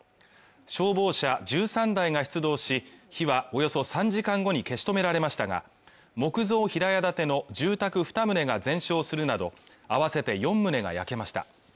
消防車１３台が出動し火はおよそ３時間後に消し止められましたが木造平屋建ての住宅二棟が全焼するなど合わせて四棟が焼けました